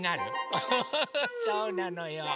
ウフフフそうなのよ。